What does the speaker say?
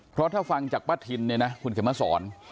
เพราะถ้าฟังจากป้าทินเนี่ยนะคุณเข็มมาสอน